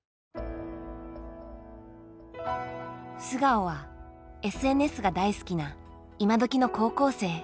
素顔はＳＮＳが大好きな今どきの高校生。